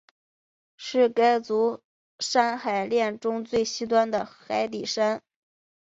是该组海山炼中最西端的海底山。